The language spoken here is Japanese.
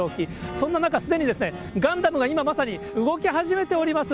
そんな中、すでにガンダムが今まさに、動き始めております。